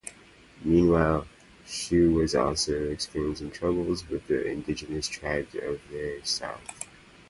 Meanwhile, Shu was also experiencing troubles with the indigenous tribes of their south.